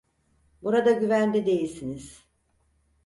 Burada güvende değilsiniz.